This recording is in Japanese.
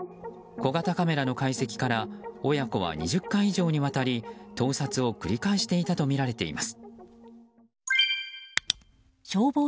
小型カメラの解析から親子は２０回以上にわたり盗撮を繰り返していたとみられています。